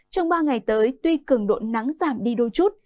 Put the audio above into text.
trong ba ngày tới tuy cường độ nắng giảm đi đôi chút